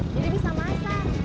jadi bisa masak